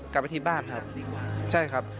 กลับไปที่บ้านครับใช่ครับ